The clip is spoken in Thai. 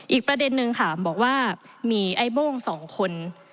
อีกประเด็นนึงค่ะบอกว่ามีไอ้โบ้งสองคน